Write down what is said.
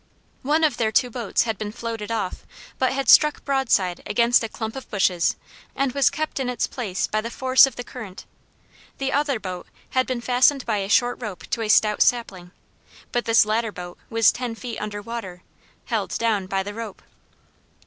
One of their two boats had been floated off but had struck broadside against a clump of bushes and was kept in its place by the force of the current. The other boat had been fastened by a short rope to a stout sapling, but this latter boat was ten feet under water, held down by the rope.